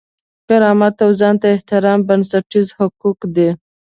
کرامت او ځان ته احترام بنسټیز حقوق دي.